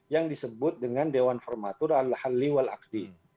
yang disebut dengan dewan formatur al halli wal aqdi